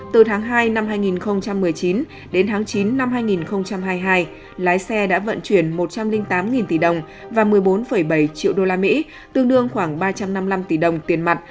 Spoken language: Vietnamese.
từ tháng hai năm hai nghìn một mươi chín đến tháng chín năm hai nghìn hai mươi hai lái xe đã vận chuyển một trăm linh tám tỷ đồng và một mươi bốn bảy triệu usd tương đương khoảng ba trăm năm mươi năm tỷ đồng tiền mặt